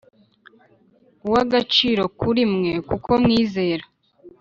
uw agaciro kuri mwe kuko mwizera